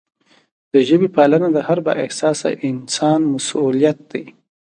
د ژبې پالنه د هر با احساسه انسان مسؤلیت دی.